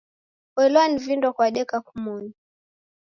Poilwa ni vindo kwadeka kumoni.